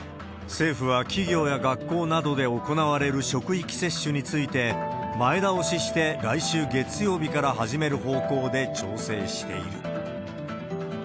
政府は企業や学校などで行われる職域接種について、前倒しして来週月曜日から始める方向で調整している。